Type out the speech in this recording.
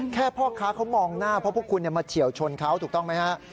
พ่อค้าเขามองหน้าเพราะพวกคุณมาเฉียวชนเขาถูกต้องไหมฮะ